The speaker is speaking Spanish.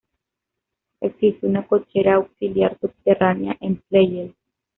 Existe una cochera auxiliar subterránea en Pleyel.